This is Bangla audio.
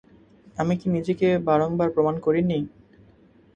আমি কি নিজেকে বারংবার প্রমাণ করিনি?